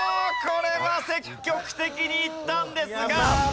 これは積極的にいったんですが。